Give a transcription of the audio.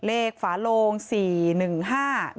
เลขฝาโลง๔๑๕มีไหม